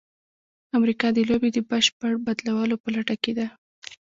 امریکا د لوبې د بشپړ بدلولو په لټه کې ده.